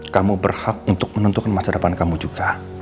kamu berhak untuk menentukan masa depan kamu juga